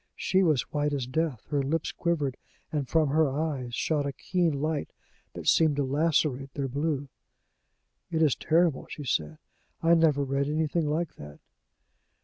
She was white as death, her lips quivered, and from her eyes shot a keen light that seemed to lacerate their blue. "It is terrible!" she said. "I never read anything like that."